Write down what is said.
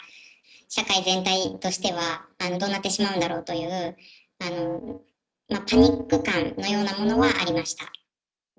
社会全体としては、どうなってしまうんだろうという、パニック感のようなものはありました。